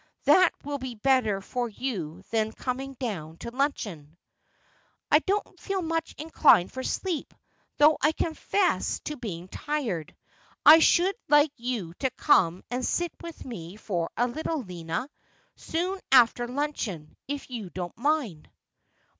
That will be better for you than coming down to luncheon.' ' I don't feel much inclined for sleep, though I confess to being tired. I should like you to come and sit with me for a little, Lina, soon after luncheon, if you don't mind.'